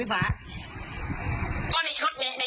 ก็บอกว่าท่านครับผมพี่เขียวนะครับยังไงคิด